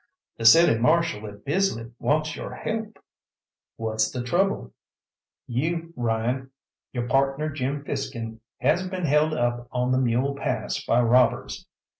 "The City Marshal at Bisley wants your help." "What's the trouble?" "You Ryan, your partner Jim Fiskin has been held up on the Mule Pass by robbers.